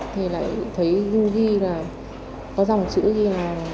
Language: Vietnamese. thì lại thấy dư ghi là có dòng chữ ghi là